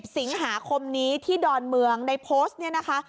สิงหาคมนี้ที่ดอนเมืองในโพสต์เนี่ยนะคะ